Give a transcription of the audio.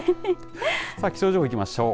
気象情報、行きましょう。